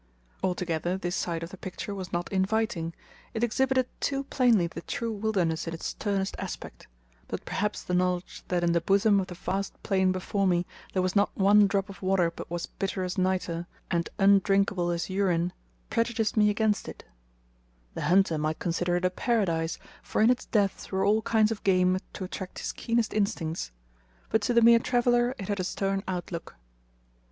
Altogether this side of the picture was not inviting; it exhibited too plainly the true wilderness in its sternest aspect; but perhaps the knowledge that in the bosom of the vast plain before me there was not one drop of water but was bitter as nitre, and undrinkable as urine, prejudiced me against it, The hunter might consider it a paradise, for in its depths were all kinds of game to attract his keenest instincts; but to the mere traveller it had a stern outlook.